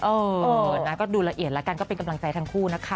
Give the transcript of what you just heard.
เออนะก็ดูละเอียดแล้วกันก็เป็นกำลังใจทั้งคู่นะคะ